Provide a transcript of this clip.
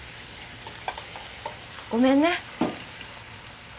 ごめんね。